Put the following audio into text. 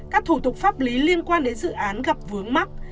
các thủ tục pháp lý liên quan đến dự án gặp vướng mắt